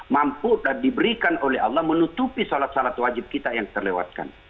mampu dan diberikan oleh allah menutupi sholat sholat wajib kita yang terlewatkan